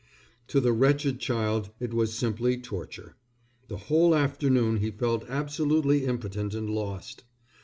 To the wretched child it was simple torture. The whole afternoon he felt absolutely impotent and lost.